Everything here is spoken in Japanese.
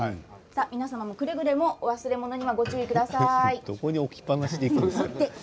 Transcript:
皆様、くれぐれも忘れ物にはご注意ください。